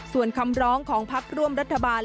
ส่วนคำร้องของพักร่วมรัฐบาล